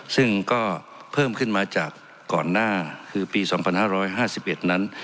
ซึ่งก็เพิ่มขึ้นมาจากก่อนหน้าคือปี๒๕๕๑นั้น